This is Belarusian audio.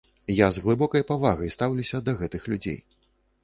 Я з глыбокай павагай стаўлюся да гэтых людзей.